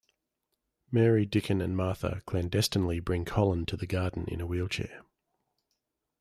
Mary, Dickon, and Martha clandestinely bring Colin to the garden in a wheelchair.